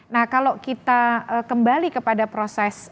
nah kalau kita kembali kepada proses